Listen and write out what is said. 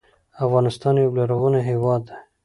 افغانستان یو لرغونی هېواد دی.